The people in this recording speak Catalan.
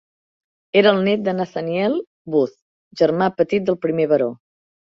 Era el net de Nathaniel Booth, germà petit del primer baró.